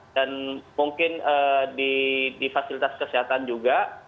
dan mungkin di fasilitas kesehatan juga